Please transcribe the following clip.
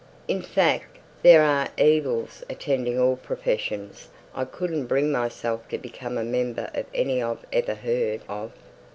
In fact, there are evils attending all professions I couldn't bring myself to become a member of any I've ever heard of.